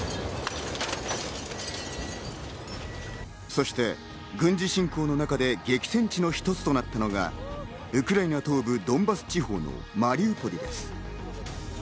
そして軍事侵攻の中で激戦地の一つとなったのがウクライナ東部、ドンバス地方のマリウポリです。